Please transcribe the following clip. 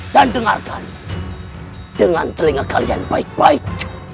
dan dengarkan dengan telinga kalian baik baik